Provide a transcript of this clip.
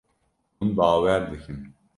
Hûn bawer dikin.